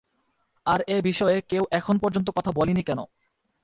আর এ বিষয়ে কেউ এখন পর্যন্ত কথা বলেনি কেন?